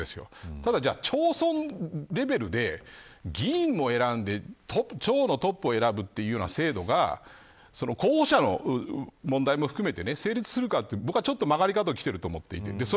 ただ町村レベルで、議員も選んで町のトップを選ぶというような制度が候補者の問題も含めて成立するかというのが曲がり角にきていると思います。